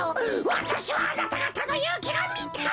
わたしはあなたがたのゆうきがみたい！